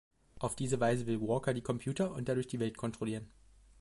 Auf diese Weise will Walker die Computer und dadurch die Welt kontrollieren.